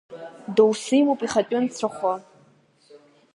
Доусы имоуп ихатәы нцәахәы.